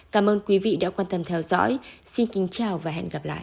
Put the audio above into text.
cảm ơn quý vị đã quan tâm theo dõi xin kính chào và hẹn gặp lại